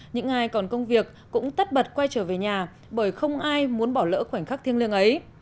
những ai còn công việc cũng tất bật quay trở về nhà bởi không ai muốn bỏ lỡ khoảnh khắc thiêng liêng ấy